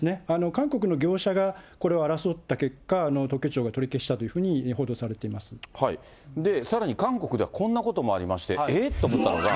韓国の業者がこれを争った結果、特許庁が取り消したというふうにさらに、韓国ではこんなこともありまして、えーっと思ったのが。